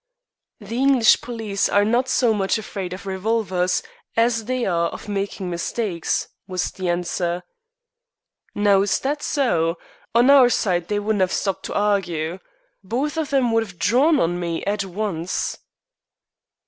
"The English police are not so much afraid of revolvers as they are of making mistakes," was the answer. "Now, is that so? On our side they wouldn't have stopped to argy. Both of 'em would have drawn on me at once."